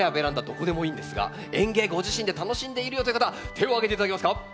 どこでもいんですが園芸ご自身で楽しんでいるよという方手を挙げて頂けますか？